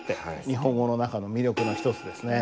日本語の中の魅力の一つですね。